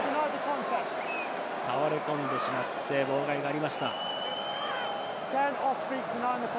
倒れ込んでしまって笛が鳴りました。